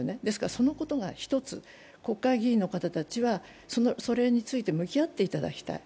そのことが一つ、国会議員の方たちは、それについて向き合っていただきたい。